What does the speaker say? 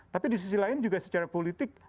tapi di sisi lain juga secara politik